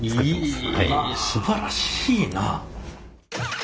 すばらしいな。